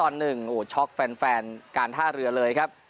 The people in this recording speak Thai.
โอ้โหช็อกแฟนการท่าเรือเลยครับ